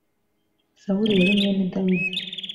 sawuli yari mwene dawidi.